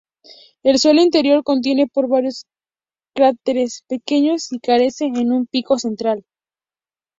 El suelo interior contiene por varios cráteres pequeños, y carece de un pico central.